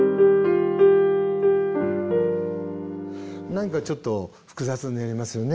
何かちょっと複雑になりますよね。